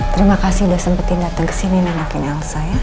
terima kasih udah sempetin datang kesini nilakin elsa ya